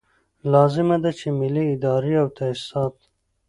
لازمه ده چې ملي ادارې او تاسیسات.